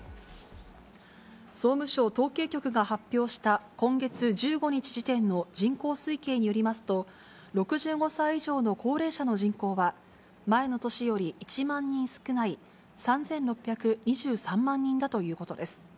総務省統計局が発表した、今月１５日時点の人口推計によりますと、６５歳以上の高齢者の人口は、前の年より１万人少ない３６２３万人だということです。